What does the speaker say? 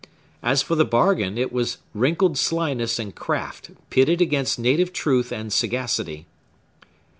As for the bargain, it was wrinkled slyness and craft pitted against native truth and sagacity.